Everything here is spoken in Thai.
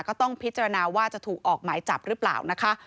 ก็ต้องพิจารณาว่าจะถูกออกหมายจับหรือเปล่านะคะ